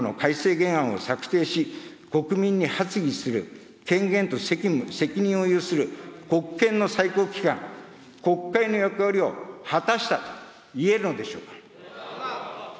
原案を策定し、国民に発議する権限と責任を有する国権の最高機関、国会の役割を果たしたといえるのでしょうか。